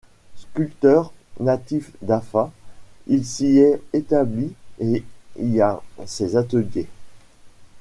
Sculpteur natif d'Afa, il s'y est établi et y a ses ateliers.